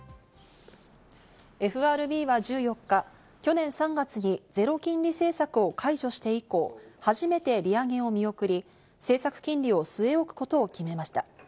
ＦＲＢは１４日、去年３月にゼロ金利政策を解除して以降、初めて利上げを見送り、政策金利を据え置くことを決めました。